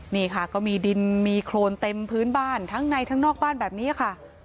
นี่ค่ะก็มีดินมีโครนเต็มพื้นบ้านทั้งในทั้งนอกบ้านแบบนี้ค่ะ